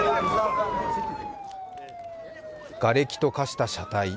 がれきと化した車体。